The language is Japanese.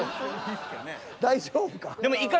大丈夫か？